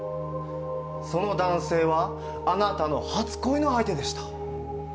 その男性は、あなたの初恋の相手でした。